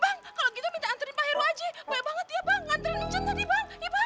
bang kalau gitu minta antriin pak heru aja